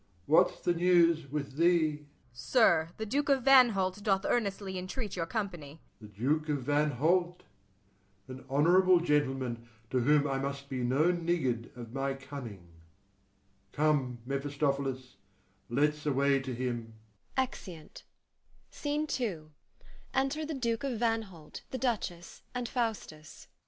what's the news with thee? WAGNER. Sir, the Duke of Vanholt doth earnestly entreat your company. FAUSTUS. The Duke of Vanholt! an honourable gentleman, to whom I must be no niggard of my cunning. Come, Mephistophilis, let's away to him.